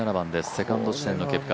セカンド地点のケプカ。